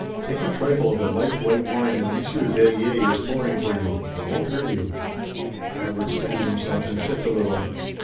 Take a trifle of the light white wine that Monsieur Berryer is pouring for you. It won't hurt you." Robert steadied himself and sipped a little.